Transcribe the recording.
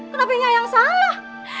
lah kenapa nya yang salah